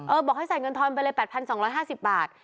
บอกให้ใส่เงินทอนไปเลย๘๒๕๐บาท